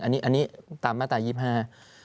อันนี้ตามมาตรา๒๕